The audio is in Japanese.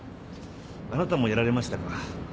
あなたもやられましたか。